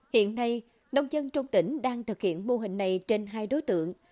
hiện nay nông dân trong tỉnh đang thực hiện mô hình này trên hai đối tượng